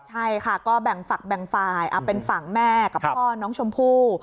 ใช่ค่ะก็แบ่งฝักแบ่งฝ่ายเป็นฝั่งแม่กับพ่อน้องชมพู่